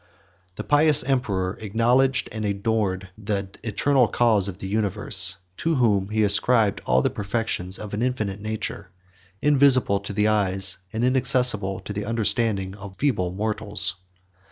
19 The pious emperor acknowledged and adored the Eternal Cause of the universe, to whom he ascribed all the perfections of an infinite nature, invisible to the eyes and inaccessible to the understanding, of feeble mortals.